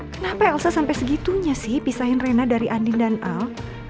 kenapa elsa sampai segitunya sih pisahin rena dari andin dan al